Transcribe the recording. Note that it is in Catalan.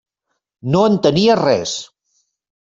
No entenia res.